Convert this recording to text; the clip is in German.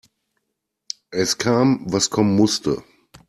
Es kam, was kommen musste.